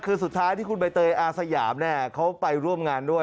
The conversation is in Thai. คือสุดท้ายที่คุณใบเตยอาสยามเขาไปร่วมงานด้วย